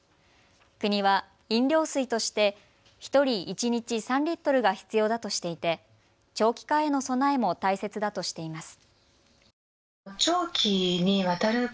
国は飲料水として１人一日３リットルが必要だとしていて長期化への備えも大切だとしています。